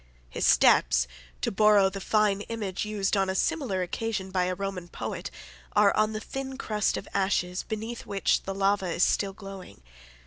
His steps, to borrow the fine image used on a similar occasion by a Roman poet, are on the thin crust of ashes, beneath which the lava is still glowing.